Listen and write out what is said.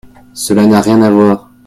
Cela n’a rien à voir.